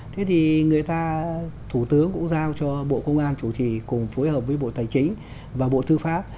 thế thì người ta thủ tướng cũng giao cho bộ công an chủ trì cùng phối hợp với bộ tài chính và bộ thư pháp